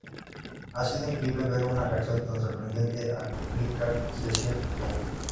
Ha sido increíble ver una reacción tan sorprendente al "Flicker Sessions Tour.